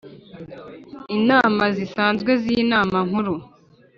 Inama zisanzwe z inama nkuru